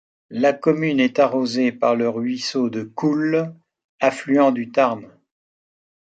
La commune est arrosée par le ruisseau de Coules affluent du Tarn.